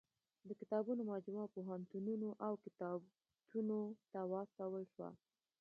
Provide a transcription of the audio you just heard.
د کتابونو مجموعه پوهنتونونو او کتابتونو ته واستول شوه.